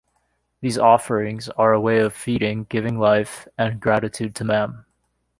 These offerings are a way of "feeding," giving life, and gratitude to Mam.